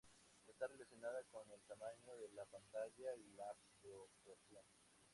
Está relacionada con el tamaño de la pantalla y la proporción.